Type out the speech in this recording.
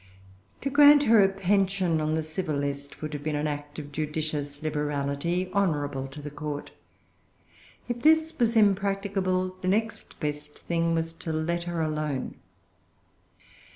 To grant her a pension on the civil list would have been an act of judicious liberality, honorable to the court. If this was impracticable, the next best thing was to let her alone.